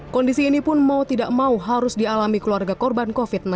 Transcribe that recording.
kondisi ini pun mau tidak mau harus dialami keluarga korban covid sembilan belas